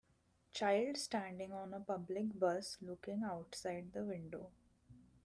Child standing on a public bus, looking outside the window.